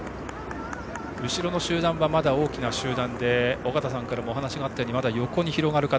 後ろの集団はまだ大きくて尾方さんからもお話があったようにまだ横に広がる形。